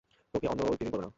তোকে অন্ধ ও ইভটিজিং করবে না!